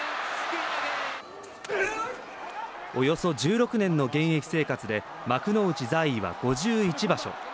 およそ１６年の現役生活で幕内在位は５１場所。